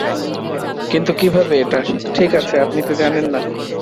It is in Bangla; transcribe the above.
কিন্তু কিভাবে এটা-- ঠিক আছে, আপনি তো জানেন না।